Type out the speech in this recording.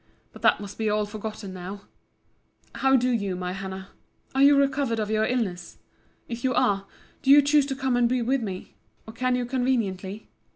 But that must all be forgotten now— How do you, my Hannah? Are you recovered of your illness? If you are, do you choose to come and be with me? Or can you conveniently?